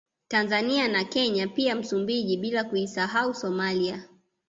Tanzania na Kenya pia Msumbiji bila kuisahau Somalia